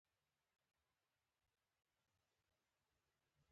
دوبۍ ته د راتګ په دوهمه ورځ.